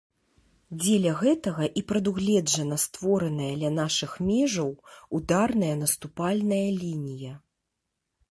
Дзеля гэтага і прадугледжана створаная ля нашых межаў ударная наступальная лінія.